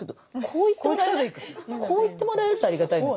こういってもらえるとありがたいのよ。